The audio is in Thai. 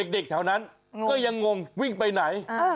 เด็กแถวนั้นก็ยังงงวิ่งไปไหน